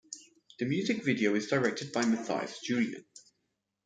The music video is directed by Mathias Julien.